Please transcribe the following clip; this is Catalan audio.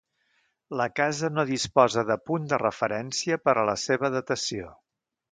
La casa no disposa de punt de referència per a la seva datació.